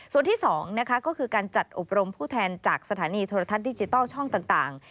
ส่วนที่๒นะคะก็คือการจัดอบรมผู้แทนจากสถานีโทรทัศน์ดิจิทัลช่องต่าง